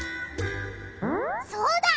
そうだ！